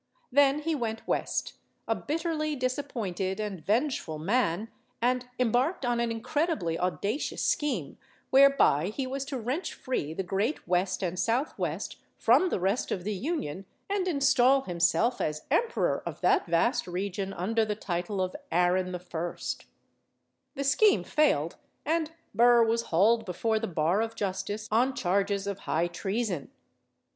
Then he went West, a MADAME JUMEL 105 bitterly disappointed and vengeful man, and embarked on an incredibly audacious scheme whereby he was to wrench free the great West and Southwest from the rest of the Union and install himself as emperor of that vast region, under the title of "Aaron I." The scheme failed, and Burr was hauled before the bar of justice on charges of high treason.